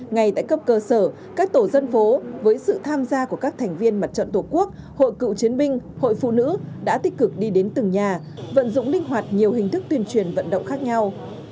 ngay tại cấp cơ sở các tổ dân phố với sự tham gia của các thành viên mặt trận tổ quốc hội cựu chiến binh hội phụ nữ đã tích cực đi đến từng nhà vận dụng linh hoạt nhiều hình thức tuyên truyền vận động khác nhau